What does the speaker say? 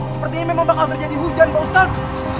sepertinya memang bakal terjadi hujan pak ustadz